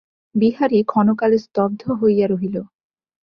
বিহারী ক্ষণকাল স্তব্ধ হইয়া রহিল।